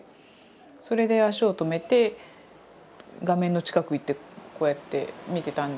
それで足を止めて画面の近く行ってこうやって見てたんですが。